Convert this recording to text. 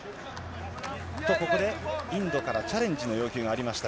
と、ここでインドから、チャレンジの要求がありました。